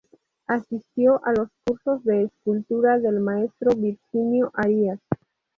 Asistió a los cursos de escultura del maestro Virginio Arias.